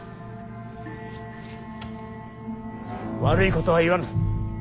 悪いことは言わぬ。